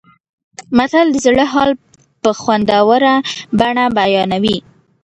متل د زړه حال په خوندوره بڼه بیانوي